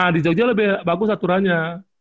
nah di jogja lebih bagus aturannya